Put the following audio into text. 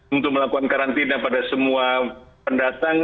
untuk melakukan karantina pada semua pendatang